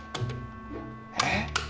えっ？